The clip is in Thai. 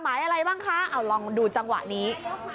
หมายอะไรบ้างคะเอาลองดูจังหวะนี้